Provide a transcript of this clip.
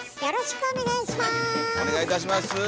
よろしくお願いします！